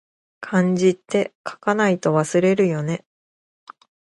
漢字って、書かないと忘れるよね